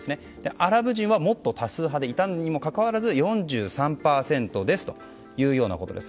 アラブ人はもっと多数派でいたのにもかかわらず４３％ですというようなことです。